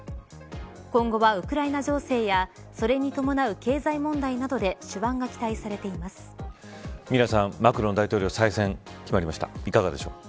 今後はウクライナ情勢やそれに伴う経済問題などで手腕が期待されていますミラさん、マクロン大統領再選決まりました。